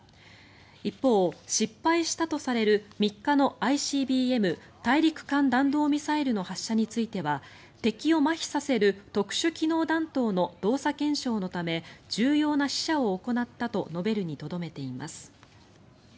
一方、失敗したとされる３日のＩＣＢＭ・大陸間弾道ミサイルの発射については敵をまひさせる特殊機能弾頭の動作検証のため重要な試射を行ったと述べるにとどめています。